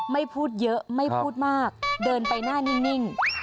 ไม่พูดเยอะไม่พูดมากเดินไปหน้านิ่ง